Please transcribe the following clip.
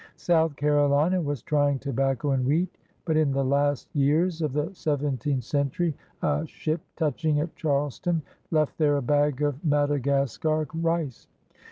South Carolina was trying tobacco and wheat. But in the last years of the seventeenth century a ship touching at Charleston left there a bag of Madagascar rice.